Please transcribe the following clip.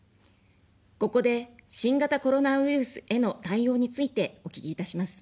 ここで、新型コロナウイルスへの対応についてお聞きいたします。